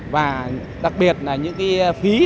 và đặc biệt là những cái phí